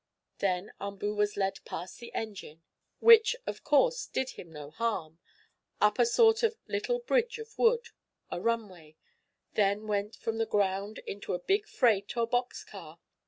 Then Umboo was led past the engine, (which, of course, did him no harm) up a sort of little bridge of wood a runway that went from the ground into a big freight, or box car.